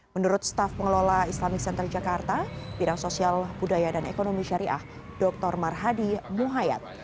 menurut staf pengelola islamic center jakarta bidang sosial budaya dan ekonomi syariah dr marhadi muhayad